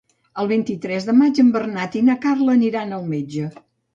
El vint-i-tres de maig en Bernat i na Carla aniran al metge.